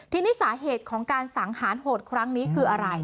ทีนี้สาเหตุของการสังหารโหดครั้งนี้คืออะไร